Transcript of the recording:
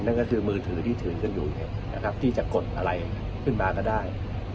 นั่นก็คือมือถือที่ถือกันอยู่ที่จะกดอะไรขึ้นมาก็ได้